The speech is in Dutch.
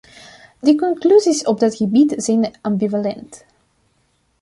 De conclusies op dat gebied zijn ambivalent.